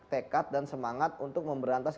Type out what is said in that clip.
tekad dan semangat untuk memberantas